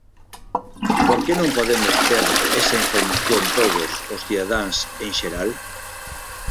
¿Por que non podemos ter esa información todos os cidadáns en xeral?